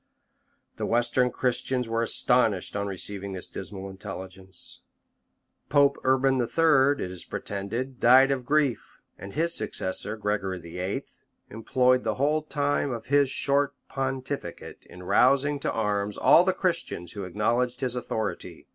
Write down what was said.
The western Christians were astonished on receiving this dismal intelligence. Pope Urban III., it is pretended, died of grief; and his successor, Gregory VIII., employed the whole time of his short pontificate in rousing to arms all the Christians who acknowledged his authority.